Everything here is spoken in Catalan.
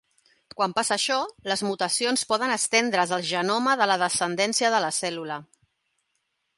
Quan passa això, les mutacions poden estendre's al genoma de la descendència de la cèl·lula.